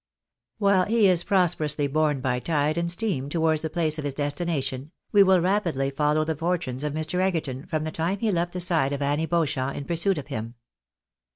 While he is prosperously borne by tide and steam towards the place of his destination, we will rapidly follow the fortunes of Mr. Egerton, from the time he left the side of Annie Beauchamp in pursuit of him.